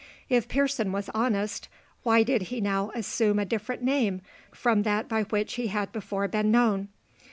If Pearson was honest, why did he now assume a different name from that by which he had before been known?